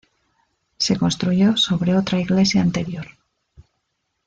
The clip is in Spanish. Se construyó sobre otra iglesia anterior.